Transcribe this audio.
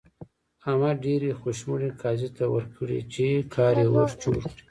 احمد ډېرې خوشمړې قاضي ته ورکړې چې کار يې ور جوړ کړي.